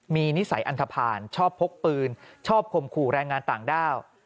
มีนิสัยอันทภาณชอบพกปืนชอบข่มขู่แรงงานต่างด้าว